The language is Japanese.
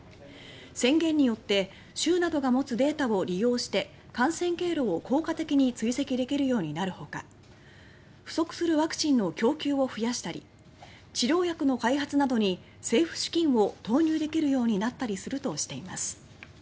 宣言によって州などが持つデータを利用して感染経路を効果的に追跡できるようになるほか不足するワクチンの供給を増やしたり治療薬の開発などに政府資金を投入できるようになるとしています。